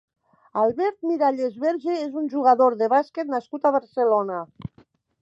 Albert Miralles Berge és un jugador de bàsquet nascut a Barcelona.